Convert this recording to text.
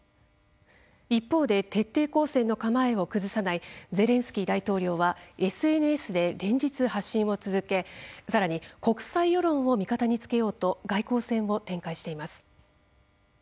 一方で徹底抗戦の構えを崩さないゼレンスキー大統領はＳＮＳで連日発信を続けさらに国際世論を味方につけようと外交戦を展開しています。